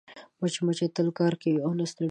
مچمچۍ تل کار کوي او نه ستړې کېږي